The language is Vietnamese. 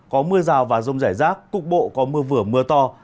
có mưa rào và rông rải rác cục bộ có mưa vừa mưa to